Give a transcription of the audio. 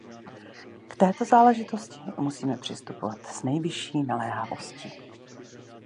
K této záležitosti musíme přistupovat s nejvyšší naléhavostí.